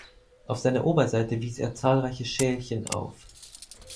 Auf seiner Oberseite wies er zahlreiche Schälchen auf.